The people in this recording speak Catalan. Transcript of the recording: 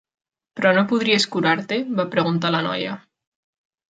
Però no podries curar-te? va preguntar la noia.